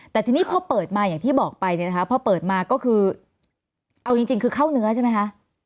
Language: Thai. แต่ทีนี้พอเปิดมาอย่างที่บอกไปเนี่ยนะคะพอเปิดมาก็คือเอาจริงคือเข้าเนื้อใช่ไหมคะ